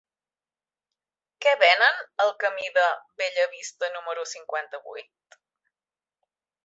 Què venen al camí de Bellavista número cinquanta-vuit?